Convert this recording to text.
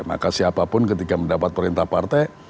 maka siapapun ketika mendapat perintah partai